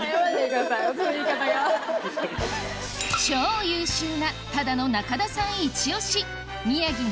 超優秀なただの中田さん